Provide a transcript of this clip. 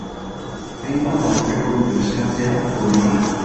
Hainbat aurrekontu eskatzea komeni da.